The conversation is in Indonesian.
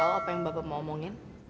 juli tau apa yang bapak mau omongin